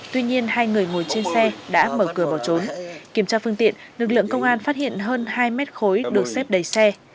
tuy nhiên hai người ngồi trên xe đã mở cửa bỏ trốn kiểm tra phương tiện lực lượng công an phát hiện hơn hai mét khối được xếp đầy xe